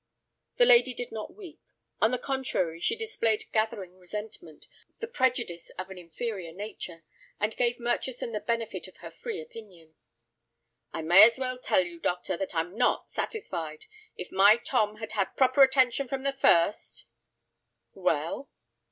The lady did not weep. On the contrary, she displayed gathering resentment, the prejudice of an inferior nature, and gave Murchison the benefit of her free opinion. "I may as well tell you, doctor, that I'm not satisfied. If my Tom had had proper attention from the first—" "Well?"